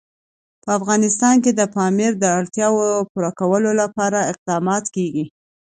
په افغانستان کې د پامیر د اړتیاوو پوره کولو لپاره اقدامات کېږي.